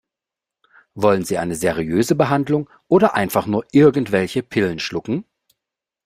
Wollen Sie eine seriöse Behandlung oder einfach nur irgendwelche Pillen schlucken?